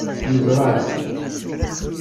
Yeẓra-t.